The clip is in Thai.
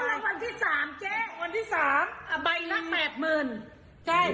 กันกับวันที่๓เจ๊วันที่๓ใบนั้นนัก๘๐๐๐๐